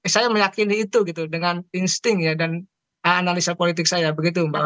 saya meyakini itu gitu dengan insting ya dan analisa politik saya begitu mbak